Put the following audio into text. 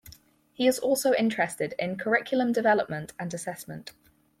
He is also interested in curriculum development and assessment.